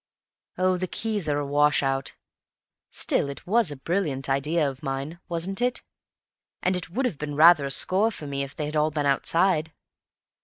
"Oh, the keys are a wash out. Still, it was a brilliant idea of mine, wasn't it? And it would have been rather a score for me if they had all been outside."